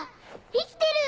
生きてる！